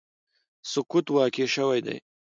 سقوط واقع شوی دی